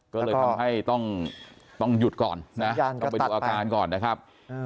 ก็เลยทำให้ต้องหยุดก่อนนะต้องไปดูอาการก่อนนะครับ